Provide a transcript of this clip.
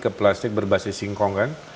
ke plastik berbasis singkong kan